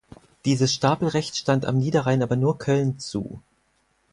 Dieses Stapelrecht stand am Niederrhein aber nur Köln zu.